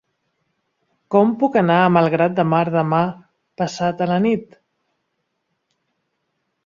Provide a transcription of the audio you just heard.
Com puc anar a Malgrat de Mar demà passat a la nit?